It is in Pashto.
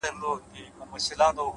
مثبت ذهن د هیلو رڼا ساتي’